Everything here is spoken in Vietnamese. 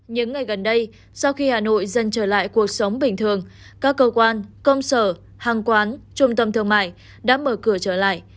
những ngày gần đây sau khi hà nội dần trở lại cuộc sống bình thường các cơ quan công sở hàng quán trung tâm thương mại đã mở cửa trở lại